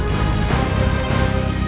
aku akan menang